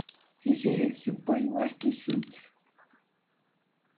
Tiziri tessewway war tisent.